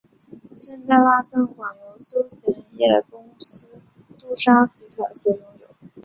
现在蜡像馆由休闲业公司杜莎集团所拥有。